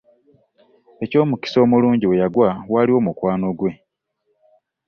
Eky'omukisa omulungi we yagwa waaliwo mukwano gwe.